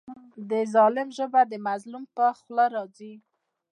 د ظالم ژبه د مظلوم پر خوله راځي.